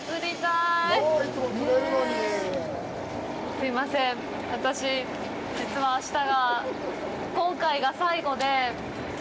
すいません、私、実は、あした。